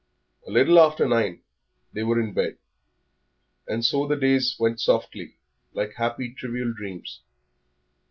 A little after nine they were in bed, and so the days went softly, like happy, trivial dreams.